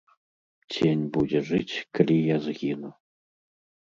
Цень будзе жыць, калі я згіну.